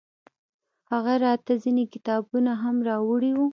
هغه راته ځينې کتابونه هم راوړي وو.